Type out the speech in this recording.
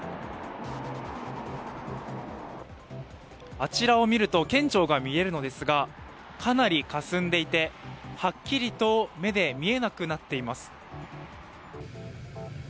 あちらを見ると県庁が見えるのですがかなりかすんでいて、はっきりと目で見えなくなっています。